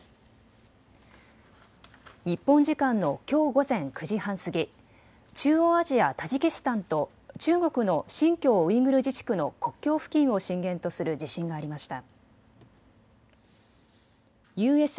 日本時間のきょう午前９時半過ぎ、中央アジア・タジキスタンと中国の新疆ウイグル自治区の国境付近を震源とする地震がありました。